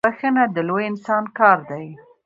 بخښنه د لوی انسان کار دی.